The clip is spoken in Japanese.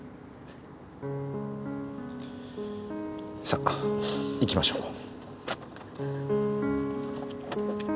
さあ行きましょう。